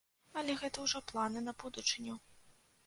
Але гэта ўжо планы на будучыню.